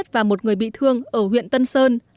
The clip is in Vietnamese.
một người chết và một người bị thương ở huyện thanh sơn